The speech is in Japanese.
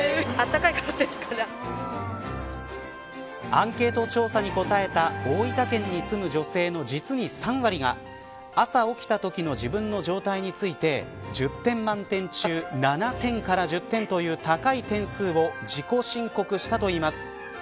アンケート調査に答えた大分県に住む女性の実に３割が朝起きたときの自分の状態について１０点満点中７点から１０点という高い点数を自己申告したといいます。